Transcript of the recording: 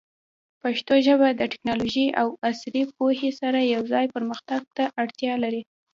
پښتو ژبه د ټیکنالوژۍ او عصري پوهې سره یوځای پرمختګ ته اړتیا لري.